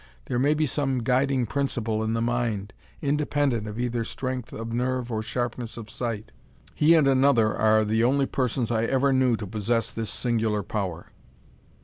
There may be some guiding principle in the mind, independent of either strength of nerve or sharpness of sight. He and another are the only persons I ever knew to possess this singular power."